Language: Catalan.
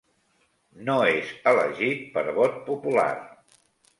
No és elegit per vot popular.